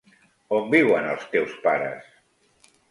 On viuen els teus pares?